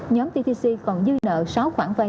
nhóm ttc còn dư nợ sáu khoản vây